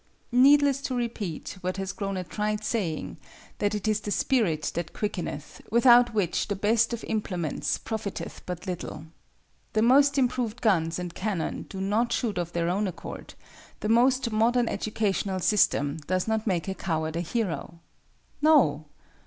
Needless to repeat what has grown a trite saying that it is the spirit that quickeneth, without which the best of implements profiteth but little. The most improved guns and cannon do not shoot of their own accord; the most modern educational system does not make a coward a hero. No!